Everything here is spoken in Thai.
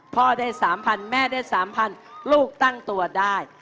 พ่อได้๓๐๐แม่ได้๓๐๐ลูกตั้งตัวได้